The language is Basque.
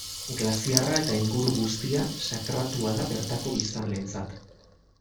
Glaziarra eta inguru guztia, sakratua da bertako biztanleentzat.